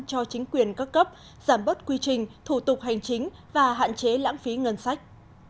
cho chính quyền các cấp giảm bớt quy trình thủ tục hành chính và hạn chế lãng phí ngân sách